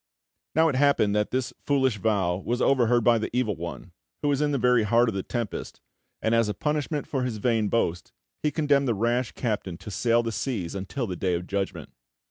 Now it happened that this foolish vow was over heard by the Evil One, who was in the very heart of the tempest, and, as a punishment for his vain boast, he condemned the rash captain to sail the seas until the Day of Judgment.